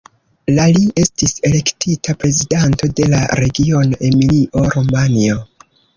La li estis elektita prezidanto de la regiono Emilio-Romanjo.